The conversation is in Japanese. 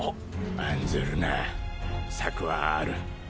案ずるな策はある。